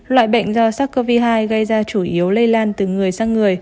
loại bệnh do sars cov hai gây ra chủ yếu lây lan từ người sang người